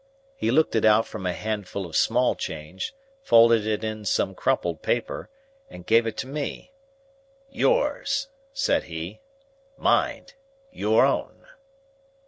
He looked it out from a handful of small change, folded it in some crumpled paper, and gave it to me. "Yours!" said he. "Mind! Your own."